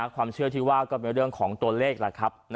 ความเชื่อที่ว่าก็เป็นเรื่องของตัวเลขแหละครับ